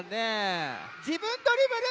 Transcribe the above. じぶんドリブル！